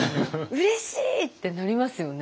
うれしい！ってなりますよね。